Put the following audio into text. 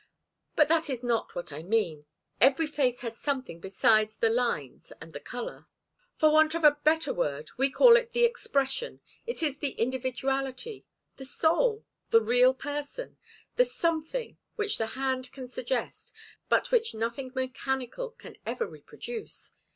But that is not what I mean. Every face has something besides the lines and the colour. For want of a better word, we call it the expression it is the individuality the soul the real person the something which the hand can suggest, but which nothing mechanical can ever reproduce.